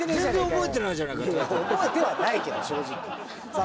台本覚えてはないけど正直さあ